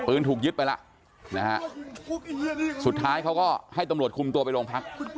ถูกยึดไปแล้วนะฮะสุดท้ายเขาก็ให้ตำรวจคุมตัวไปโรงพัก